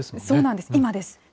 そうなんです、今です。